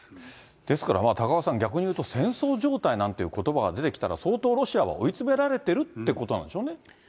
ですから、高岡さん、逆に言うと、戦争状態なんといういうことばが出てきたら、相当ロシアは追い詰められているということなんですね。